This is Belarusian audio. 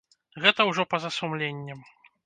Гэта ўжо па-за сумленнем.